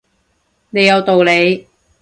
你有道理